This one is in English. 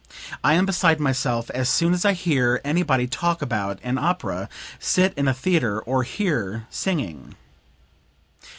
I am beside myself as soon as I hear anybody talk about an opera, sit in a theatre or hear singing."